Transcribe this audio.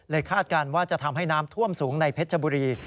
คาดการณ์ว่าจะทำให้น้ำท่วมสูงในเพชรบุรี